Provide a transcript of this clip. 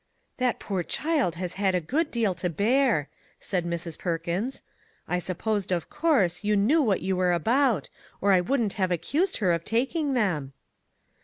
" That poor child has had a good deal to bear," said Mrs. Perkins ;" I supposed, of course, you knew what you were about, or I should not have accused her of taking them."